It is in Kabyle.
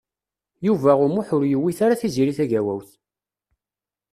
Yuba U Muḥ ur yewwit ara Tiziri Tagawawt.